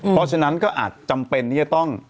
เพราะฉะนั้นก็อาจจำเป็นที่จะต้อง